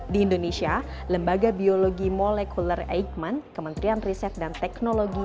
di indonesia lembaga biologi molekuler eijkman kementerian riset dan teknologi